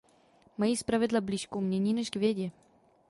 Mají zpravidla blíž k umění než k vědě.